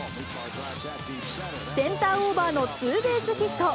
センターオーバーのツーベースヒット。